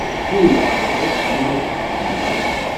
Luleɣ-d akken ad kem-ḥemmleɣ.